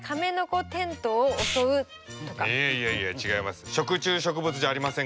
いやいや違います。